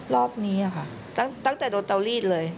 รอบนี้ค่ะตั้งแต่โดนเตาลีดเลย